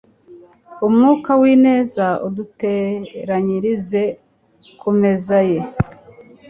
Umwuka wineza aduteranyirize kumeza ye